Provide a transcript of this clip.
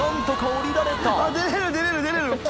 出れる出れる！